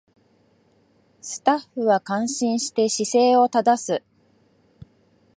スタッフは感心して姿勢を正す